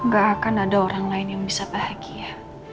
gak akan ada orang lain yang bisa bahagia